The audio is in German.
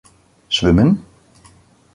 Schwimmen?